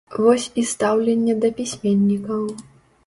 Вось і стаўленне да пісьменнікаў.